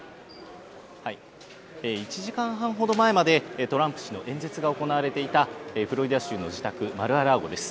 １時間半ほど前までトランプ氏の演説が行われていたフロリダ州の自宅、マル・ア・ラーゴです。